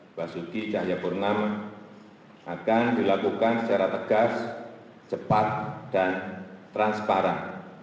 mbak suki cahyapurnam akan dilakukan secara tegas cepat dan transparan